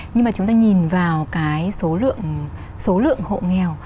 nhưng mà chúng ta nhìn vào cái số lượng hộ nghèo